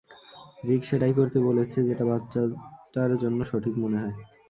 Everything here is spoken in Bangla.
রিক সেটাই করতে বলেছে, যেটা বাচ্চাটার জন্য সঠিক মনে হয়।